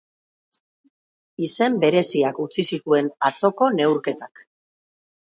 Izen bereziak utzi zituen atzoko neurketak.